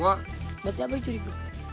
buatnya apa jurik bu